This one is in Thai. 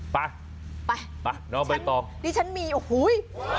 ไปน้องไปต่อนี่ฉันมีโอ้โหย